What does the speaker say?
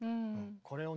これをね